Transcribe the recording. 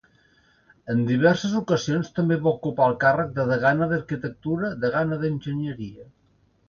En diverses ocasions, també va ocupar el càrrec de Degana d'Arquitectura, Degana d'Enginyeria.